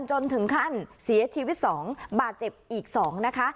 จนถึงขั้นเสียชีวิต๒บาดเจ็บอีก๒นะคะ